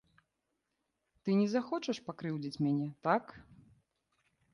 Ты не захочаш пакрыўдзіць мяне, так?